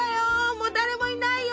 もう誰もいないよ！